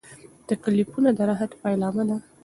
تکلیفونه د راحت پیلامه ده.